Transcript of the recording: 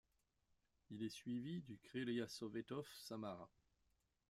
Il est suivi du Krylia Sovetov Samara.